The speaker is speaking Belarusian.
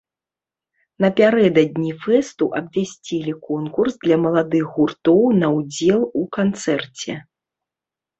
Напярэдадні фэсту абвясцілі конкурс для маладых гуртоў на ўдзел у канцэрце.